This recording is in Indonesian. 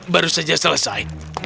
baru saja selesai